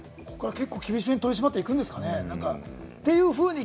結構、厳しめに取り締まっていくんですかね？